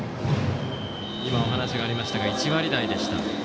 今、お話がありましたが１割台でした。